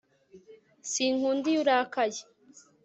Sinkunda iyo urakaye